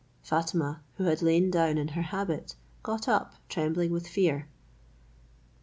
Fatima, who had lain down in her habit, got up, trembling with fear.